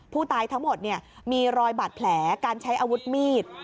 ผู้ตายทั้งหมดมีรอยบัตรแผลการใช้อาวุธมีด